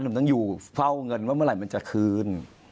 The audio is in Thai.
หนุ่มต้องอยู่เฝ้าเงินว่าเมื่อไหร่มันจะคืน